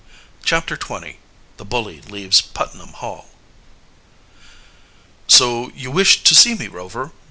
CHAPTER XX THE BULLY LEAVES PUTNAM HALL "So you wish to see me, Rover?